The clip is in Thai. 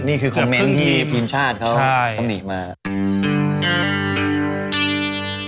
นี่คือคอมเม้นท์ที่ทีมชาตุเขาหนีมา